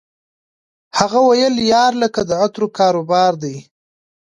هغه ویل یار لکه د عطرو کاروبار دی